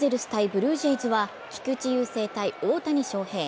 ブルージェイズは、菊池雄星対大谷翔平。